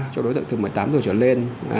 cho đối tượng từ một mươi tám giờ trở lên